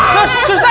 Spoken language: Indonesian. pasti keluar wina